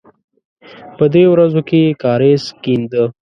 په دریو ورځو کې یې کاریز کېنده.